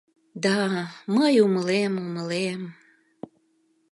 Да-а, мый умылем, умылем.